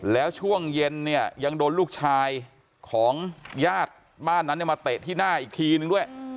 แล้วช่วงเย็นเนี่ยยังโดนลูกชายของญาติบ้านนั้นมาเตะที่หน้าอีกทีนึงด้วย